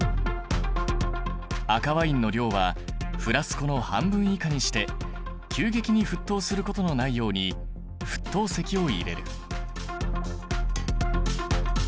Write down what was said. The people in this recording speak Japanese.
赤ワインの量はフラスコの半分以下にして急激に沸騰することのないように沸騰石を入れる。